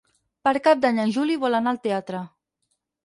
Per Cap d'Any en Juli vol anar al teatre.